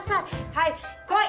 はい来い！